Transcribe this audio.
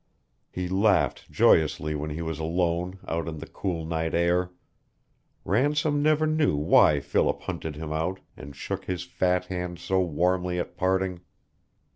He laughed joyously when he was alone out in the cool night air. Ransom never knew why Philip hunted him out and shook his fat hand so warmly at parting.